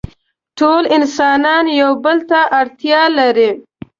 ټول انسانان يو بل ته اړتيا لري.